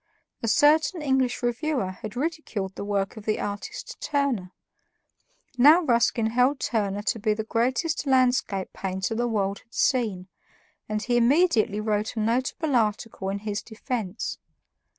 A certain English reviewer had ridiculed the work of the artist Turner. Now Ruskin held Turner to be the greatest landscape painter the world had seen, and he immediately wrote a notable article in his defense.